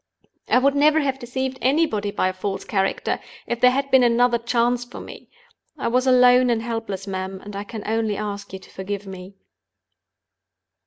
I would never have deceived anybody by a false character, if there had been another chance for me. I was alone and helpless, ma'am; and I can only ask you to forgive me."